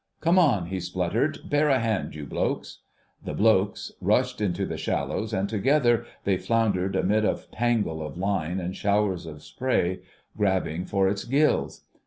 "Come on," he spluttered, "bear a hand, you blokes!" The "blokes" rushed into the shallows, and together they floundered amid a tangle of line and showers of spray, grabbing for its gills.